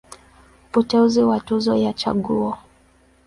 Uteuzi wa Tuzo ya Chaguo.